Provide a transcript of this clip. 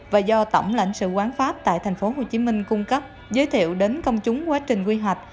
và do tổng lãnh sự quán pháp tại tp hcm cung cấp giới thiệu đến công chúng quá trình quy hoạch